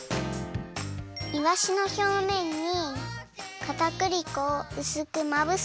いわしのひょうめんにかたくり粉をうすくまぶす。